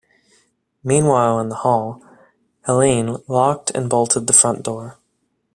Meanwhile, in the hall Helene locked and bolted the front door.